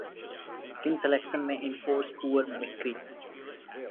Kin selection may enforce poor mimicry.